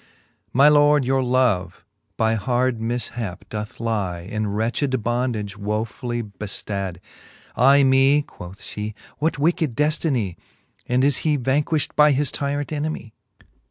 My lord, your love, by hard mifhap doth lie In wretched bondage, wofully beftad. Ay me, quoth Ihe, what wicked deftinie? And is he vanquilht by his tyrant enemie